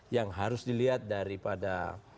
yang harus dilihat daripada